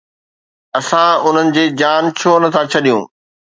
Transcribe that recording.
اسان انهن جي جان ڇو نه ٿا ڇڏيون؟